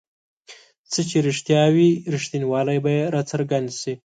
څه چې رښتیا وي رښتینوالی به یې راڅرګند شي.